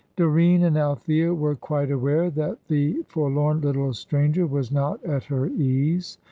Doreen and Althea were quite aware that the forlorn little stranger was not at her ease.